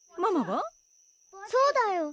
そうだよ。